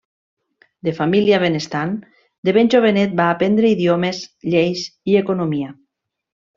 De família benestant, de ben jovenet va aprendre idiomes, lleis i economia.